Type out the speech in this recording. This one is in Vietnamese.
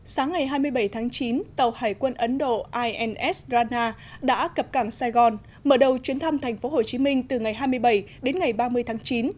sáng ngày hai mươi bảy tháng chín tàu hải quân ấn độ ins rana đã cập cảng sài gòn mở đầu chuyến thăm thành phố hồ chí minh từ ngày hai mươi bảy đến ngày ba mươi tháng chín